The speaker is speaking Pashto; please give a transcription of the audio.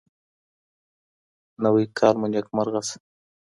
نوی کال مو نيکمرغه شه.